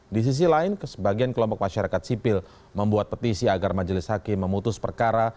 di sisi lain sebagian kelompok masyarakat sipil membuat petisi agar majelis hakim memutus perkara